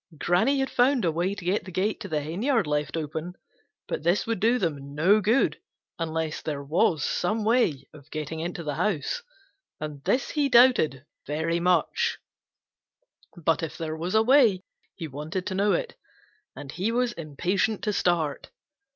Granny had found a way to get the gate to the henyard left open, but this would do them no good unless there was some way of getting into the house, and this he very much doubted. But if there was a way he wanted to know it, and he was impatient to start.